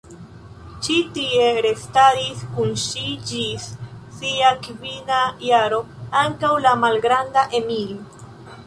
Ĉi tie restadis kun ŝi ĝis sia kvina jaro ankaŭ la malgranda Emil.